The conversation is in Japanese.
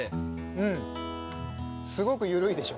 うんすごく緩いでしょ。